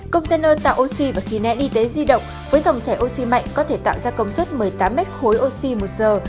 container tạo oxy và khí nén y tế di động với dòng chảy oxy mạnh có thể tạo ra công suất một mươi tám mét khối oxy một giờ